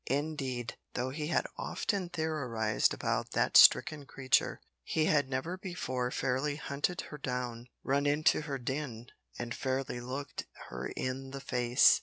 Indeed, though he had often theorised about that stricken creature, he had never before fairly hunted her down, run her into her den, and fairly looked her in the face.